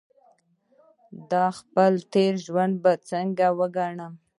دا خپل تېر ژوند به څنګه وګڼي.